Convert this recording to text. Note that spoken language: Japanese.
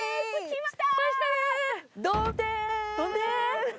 着きました！